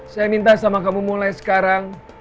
saya minta sama kamu mulai sekarang